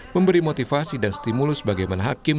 memberi motivasi dan stimulus bagaimana hakim